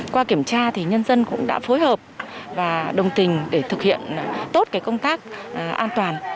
qua kiểm tra thì nhân dân cũng đã phối hợp và đồng tình để thực hiện tốt công tác an toàn